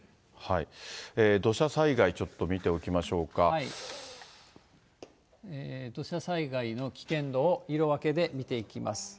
土砂災害、ちょっと見ておき土砂災害の危険度を色分けで見ていきます。